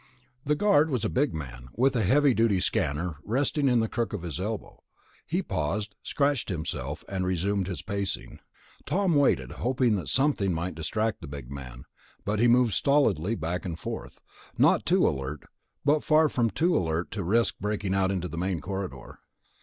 The guard was a big man, with a heavy duty stunner resting in the crook of his elbow. He paused, scratched himself, and resumed his pacing. Tom waited, hoping that something might distract the big man, but he moved stolidly back and forth, not too alert, but far too alert to risk breaking out into the main corridor.